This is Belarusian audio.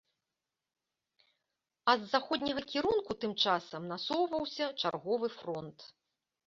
А з заходняга кірунку тым часам насоўваўся чарговы фронт.